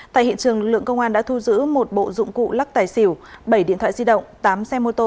tại hiện trường lực lượng công an đã thu giữ một bộ dụng cụ lắc tài xỉu bảy điện thoại di động tám xe mô tô